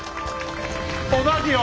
同じよ。